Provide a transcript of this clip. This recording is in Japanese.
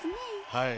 はい。